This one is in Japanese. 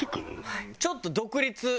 ちょっと独立。